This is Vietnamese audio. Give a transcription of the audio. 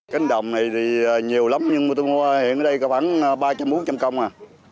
cánh đồng này thì nhiều lắm nhưng mà tôi mua hiện ở đây có bán ba bốn trăm công à